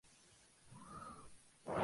En el verano, es fresco y polvoriento.